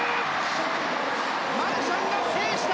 マルシャンが制した！